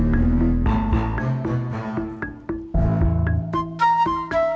ini appnya berani